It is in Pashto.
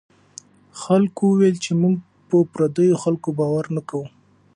خلکو وویل چې موږ په پردیو خلکو باور نه کوو.